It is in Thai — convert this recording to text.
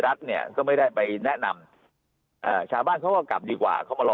รัฐเนี่ยก็ไม่ได้ไปแนะนำชาวบ้านเขาก็กลับดีกว่าเขามารอ